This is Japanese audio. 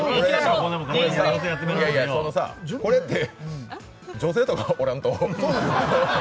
これって女性とかおらんと。